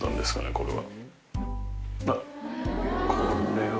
これは。